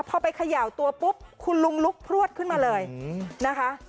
พอไปเขย่าตัวปุ๊บคุณลุงลุกพลวดขึ้นมาเลยนะคะ